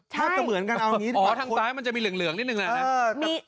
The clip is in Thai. ใช่อ๋อทางต้านมันจะมีเหลืองนิดนึงนะ